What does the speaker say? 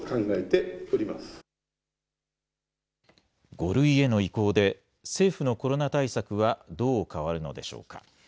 ５類への移行で、政府のコロナ対策はどう変わるのでしょうか。